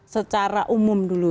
secara umum dulu